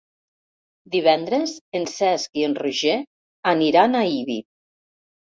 Divendres en Cesc i en Roger aniran a Ibi.